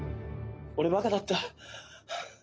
「俺バカだった」